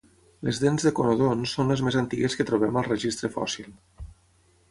Les dents de conodonts són les més antigues que trobem al registre fòssil.